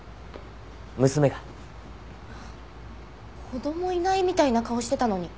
子供いないみたいな顔してたのに。